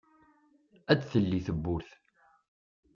ad d-telli tewwurt.